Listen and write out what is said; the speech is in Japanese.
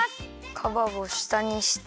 かわをしたにして。